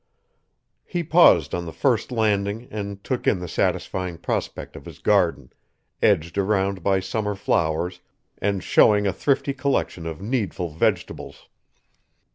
He paused on the first landing and took in the satisfying prospect of his garden, edged around by summer flowers and showing a thrifty collection of needful vegetables.